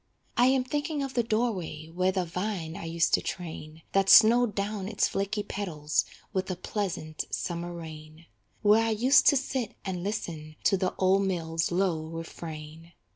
I am thinking of the door way Where the vine I used to train, That snowed down its flaky petals With a pleasant summer rain; Where I used to sit and listen To the old mill's low refrain.